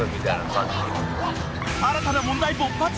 新たな問題勃発。